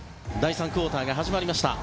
第３クオーターが始まりました。